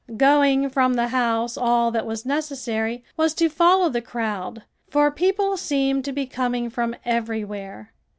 Going from the house all that was necessary was to follow the crowd, for people seemed to be coming from everywhere.